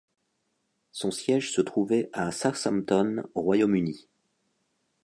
Son siège se trouvais à Southampton au Royaume-Uni.